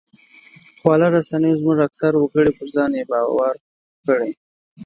خواله رسنیو زموږ اکثره وګړي پر ځان بې باوره کړي